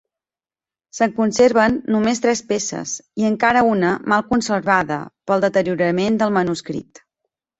Se'n conserven només tres peces, i encara una mal conservada per deteriorament del manuscrit.